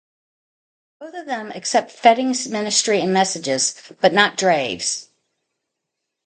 Both of them accept Fetting's ministry and messages, but not Draves'.